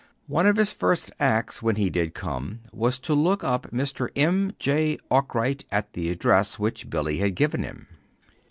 One of his first acts, when he did come, was to look up Mr. M. J. Arkwright at the address which Billy had given him.